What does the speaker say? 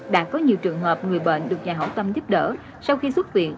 đã có nhiều trường hợp người bệnh được nhà hảo tâm giúp đỡ sau khi xuất viện